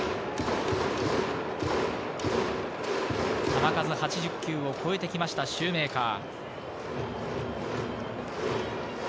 球数８０球を超えてきましたシューメーカー。